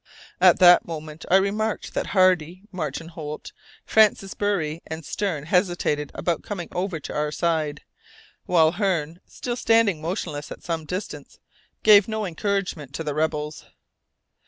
At that moment I remarked that Hardy, Martin Holt, Francis Bury, and Stern hesitated about coming over to our side, while Hearne, still standing motionless at some distance, gave no encouragement to the rebels.